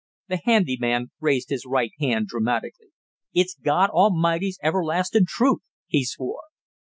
The handy man raised his right hand dramatically. "It's God A'mighty's everlastin' truth!" he swore.